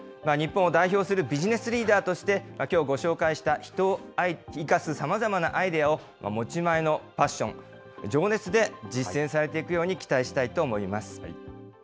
日本を代表するビジネスリーダーとして、きょうご紹介した人を生かすさまざまなアイデアを持ち前のＰＡＳＳＩＯＮ・情熱で実践されていくように期待したいと思います。